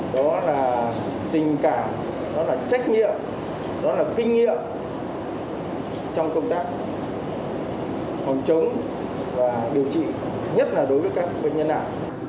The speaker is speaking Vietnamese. đó là tình cảm đó là trách nhiệm đó là kinh nghiệm trong công tác phòng chống và điều trị nhất là đối với các bệnh nhân nặng